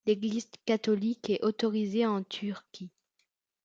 L'Église catholique est autorisée en Turquie.